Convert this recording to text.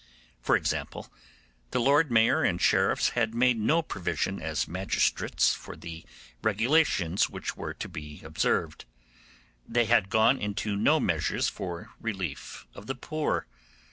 For example, the Lord Mayor and sheriffs had made no provision as magistrates for the regulations which were to be observed. They had gone into no measures for relief of the poor.